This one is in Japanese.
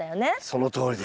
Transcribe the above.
そのとおりです。